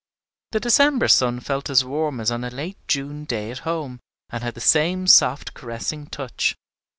The December sun felt as warm as on a late June day at home, and had the same soft caressing touch.